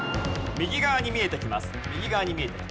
右側に見えてきます。